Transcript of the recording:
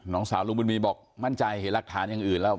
น้องสาวลุงบุญมีบอกมั่นใจเห็นหลักฐานอย่างอื่นแล้ว